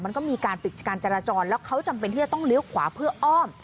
มันก็มีการปิดการจราจรแล้วเขาจำเป็นที่จะต้องเลี้ยวขวาเพื่ออ้อม